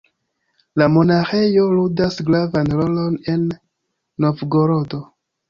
La monaĥejo ludas gravan rolon en Novgorodo.